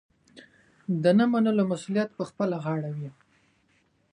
د نه منلو مسوولیت پخپله غاړه وي.